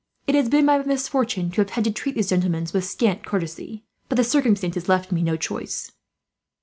It has been my misfortune to have had to treat these gentlemen with scant courtesy, but the circumstances left me no choice.